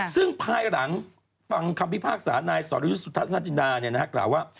ซึ่งภายหลังฟังคำพิพากษ์สหสารอุทธรณ์ในวันนี้กล่าวว่า